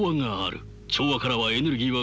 調和からはエネルギーは生まれない。